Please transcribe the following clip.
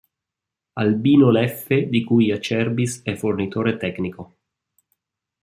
AlbinoLeffe di cui Acerbis è fornitore tecnico.